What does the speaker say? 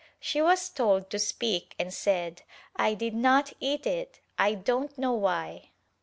She was told to speak and said "I did not eat it, I don't know why."